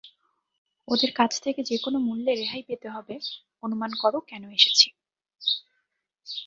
ওদের কাছ থেকে যেকোনো মূল্যে রেহাই পেতে হবে অনুমান করো কেন এসেছি।